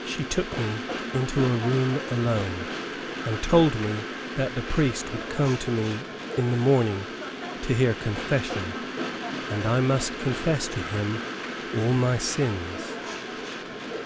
She took me into a room alone, and told me that the priest would come to me in the morning to hear confession, and I must confess to him all my sins.